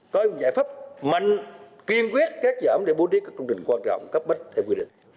các công trình quan trọng cấp bất theo quy định